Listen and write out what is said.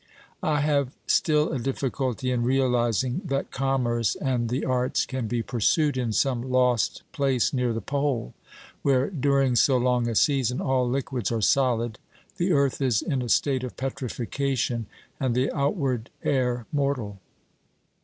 I have still a difficulty in realising that commerce and the arts can be pursued in some lost place near the Pole, where during so long a season all liquids are solid, the earth is in a state of petrification, and the outward air mortal.